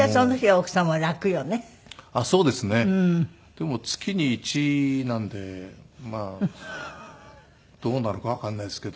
でも月に１なのでまあどうなのかわからないですけど。